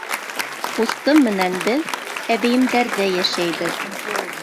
Ҡустым менән беҙ әбейемдәрҙә йәшәйбеҙ.